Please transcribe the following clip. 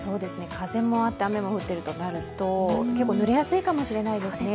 風もあって雨も降ってるとなると、結構ぬれやすいかもしれないですね。